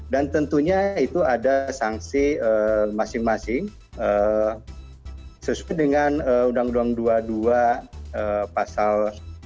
dan tentunya itu ada sanksi masing masing sesuai dengan undang undang dua puluh dua pasal satu ratus dua puluh dua